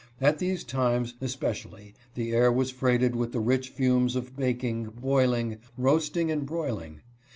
At these times, especially, the air was freighted with the rich fumes of baking, boiling, roasting, and broil ing.